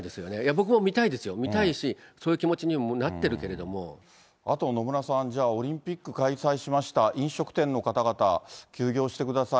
僕も見たいですよ、見たいし、そういう気持ちにもなってるけれどあと野村さん、じゃあオリンピック開催しました、飲食店の方々、休業してください。